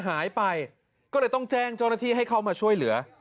หายไปก็เลยต้องแจ้งเจ้าหน้าที่ให้เข้ามาช่วยเหลือ